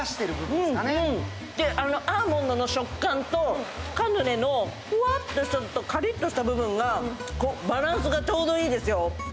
で、アーモンドの食感とカヌレのふわっとした部分とカリッとした部分がバランスがちょうどいいですよ。